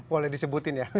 boleh disebutin ya